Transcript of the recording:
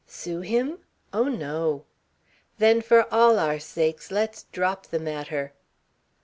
"Sue him? Oh no!" "Then, for all our sakes, let's drop the matter."